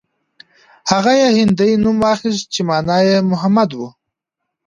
هغه يې هندي نوم واخيست چې مانا يې محمد و.